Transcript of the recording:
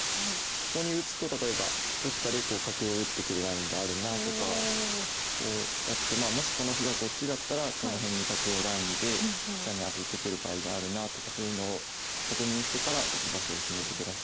ここに打つと例えばどっかで角を打ってくるラインがあるなあとかこうやってまあもしこの歩がこっちだったらこの辺に角をラインで飛車に当ててくる場合があるなとかそういうのを確認してから打ち場所を決めてください。